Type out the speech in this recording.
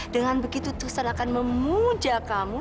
dengan begitu tusan akan memuja kamu